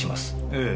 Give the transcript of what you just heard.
ええ。